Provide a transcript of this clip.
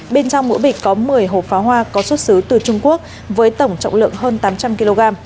bên trong mỗi bịch có một mươi hộp pháo hoa có xuất xứ từ trung quốc với tổng trọng lượng hơn tám trăm linh kg